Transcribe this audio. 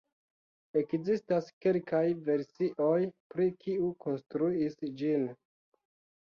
Ekzistas kelkaj versioj pri kiu konstruis ĝin.